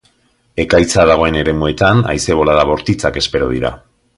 Ekaitza dagoen eremuetan, haize bolada bortitzak espero dira.